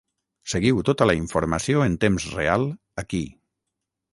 Seguiu tota la informació en temps real aquí.